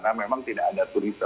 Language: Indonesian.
karena memang tidak ada turisme